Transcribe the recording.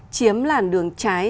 chiếm làn đường trái